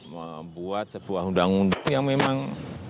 membuat sebuah undang undang yang memang